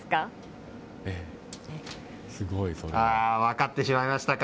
分かってしまいましたか。